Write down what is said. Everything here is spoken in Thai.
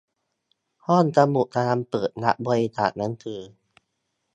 ห้องสมุดกำลังเปิดรับบริจาคหนังสือ